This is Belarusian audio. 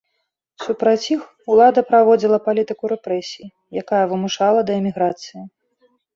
Супраць іх улада праводзіла палітыку рэпрэсій, якая вымушала да эміграцыі.